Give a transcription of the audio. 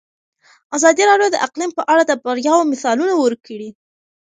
ازادي راډیو د اقلیم په اړه د بریاوو مثالونه ورکړي.